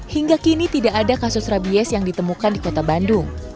hingga kini tidak ada kasus rabies yang ditemukan di kota bandung